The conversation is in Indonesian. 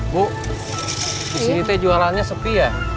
bu disini jualannya teh sepi ya